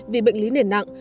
vì bệnh lý nền nặng